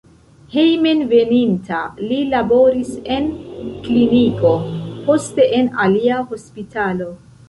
Hejmenveninta li laboris en kliniko, poste en alia hospitalo.